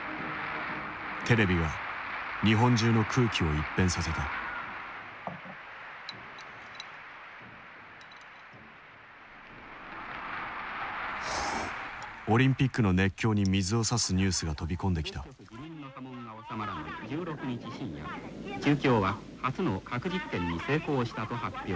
テレビは日本中の空気を一変させたオリンピックの熱狂に水をさすニュースが飛び込んできた「１６日深夜中共は初の核実験に成功したと発表。